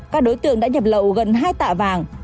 các đối tượng đã nhập lậu gần hai tạ vàng